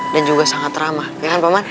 dan juga sangat ramah ya kan paman